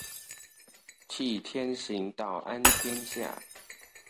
替天行道安天下